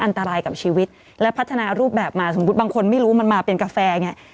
อันตรายกับชีวิตและพัฒนารูปแบบมาสมมุติบางคนไม่รู้มันมาเป็นกาแฟไง